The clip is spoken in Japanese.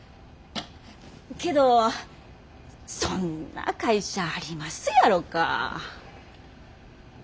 けどそんな会社ありますやろか？